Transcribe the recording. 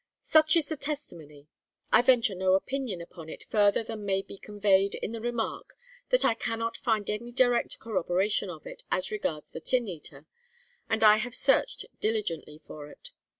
Such is the testimony. I venture no opinion upon it further than may be conveyed in the remark that I cannot find any direct corroboration of it, as regards the Sin eater, and I have searched diligently for it.